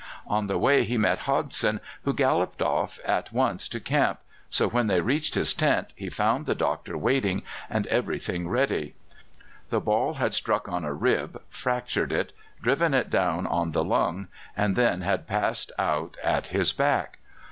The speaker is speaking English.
On the way he met Hodson, who galloped off at once to camp, so when they reached his tent, he found the doctor waiting and everything ready. The ball had struck on a rib, fractured it, driven it down on the lung, and then had passed out at his back.